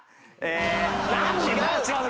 違う。